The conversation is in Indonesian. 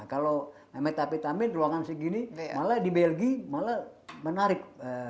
kalau metapitamin ruangan segini malah di belgi malah menarik